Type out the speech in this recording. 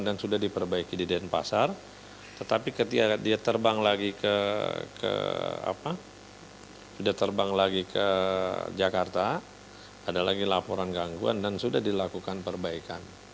ada lagi laporan gangguan dan sudah dilakukan perbaikan